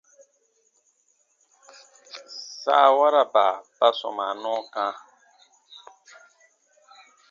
Saawaraba ba sɔmaa nɔɔ kã.